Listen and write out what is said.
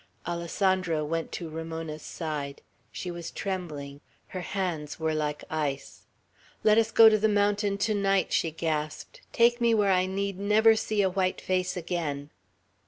Alessandro went to Ramona's side. She was trembling. Her hands were like ice. "Let us go to the mountain to night!" she gasped. "Take me where I need never see a white face again!"